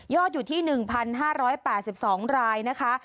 อยู่ที่๑๕๘๒รายนะคะ